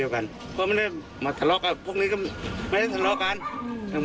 ก็ไม่มากพูดบ้าง